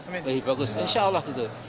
lebih bagus insya allah gitu